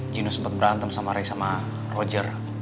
gino sempet berantem sama ray sama roger